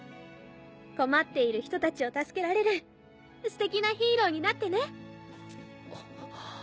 困っている人たちを助けられるステキなヒーローになってね。